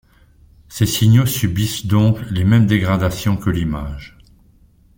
Ces signaux subissent donc les mêmes dégradations que l’image.